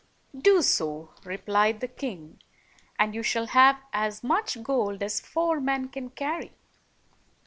"Do so," replied the king, "and you shall have as much gold as four men can carry."